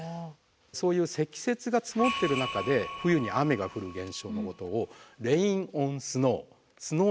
そういう積雪が積もってる中で冬に雨が降る現象のことをレイン・オン・スノー。